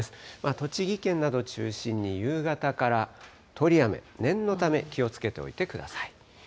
栃木県など中心に夕方から通り雨、念のため気をつけておいてください。